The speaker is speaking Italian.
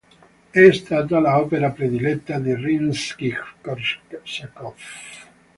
È stata l'opera prediletta di Rimskij-Korsakov.